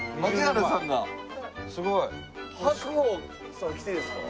すごい。白鵬さん来てるんですか？